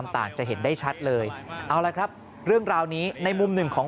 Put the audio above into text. ต่างจะเห็นได้ชัดเลยเอาละครับเรื่องราวนี้ในมุมหนึ่งของ